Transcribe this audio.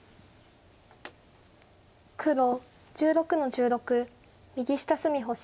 黒１６の十六右下隅星。